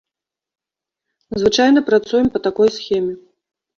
Звычайна працуем па такой схеме.